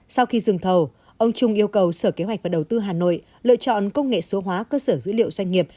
sau khi dừng thầu ông trung yêu cầu sở kế hoạch và đầu tư hà nội lựa chọn công nghệ số hóa cơ sở dữ liệu doanh nghiệp